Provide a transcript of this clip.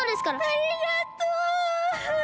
ありがとう！